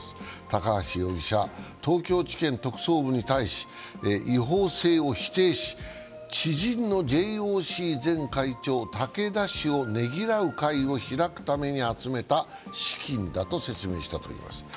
高橋容疑者は東京地検特捜部に対し、違法性を否定し知人のＪＯＣ前会長・竹田氏をねぎらう会を開くために集めた資金だと説明したといいます。